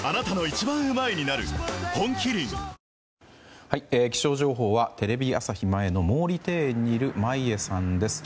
本麒麟気象情報はテレビ朝日前の毛利庭園にいる眞家さんです。